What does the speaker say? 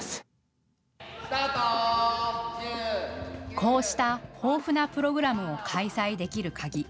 こうした豊富なプログラムを開催できる鍵。